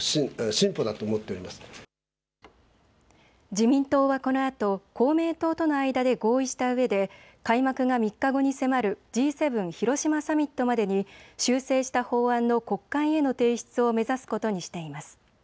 自民党はこのあと公明党との間で合意したうえで開幕が３日後に迫るＧ７広島サミットまでに修正した法案の国会への提出を目指すことにしています。